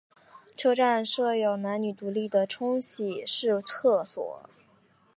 车站设有男女独立的冲洗式厕所。